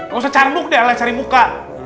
nggak usah cari muka